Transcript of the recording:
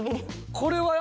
これは安